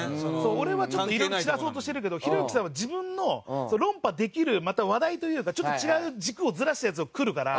俺はちょっといろいろ散らそうとしてるけどひろゆきさんは自分の論破できる話題というかちょっと違う軸をずらしたやつをくるから。